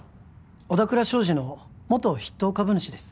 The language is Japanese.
小田倉商事の元筆頭株主です